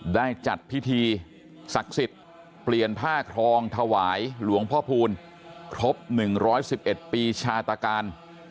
ได้จัดพิธีศักดิ์สิทธิ์เปลี่ยนผ้าครองถวายหลวงพ่อพูลครบ๑๑๑ปีชาตการ